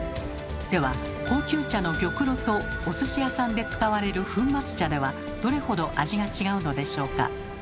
では高級茶の玉露とお寿司屋さんで使われる粉末茶ではどれほど味が違うのでしょうか？